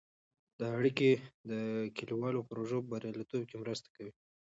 دا اړیکې د کلیوالو پروژو په بریالیتوب کې مرسته کوي.